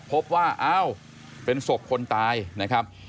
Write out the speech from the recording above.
พบว่าอ้าวเป็นศพคนตายนะครับ